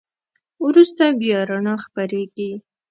وروسته بیا رڼا خپرېږي.